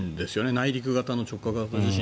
内陸型の直下型地震。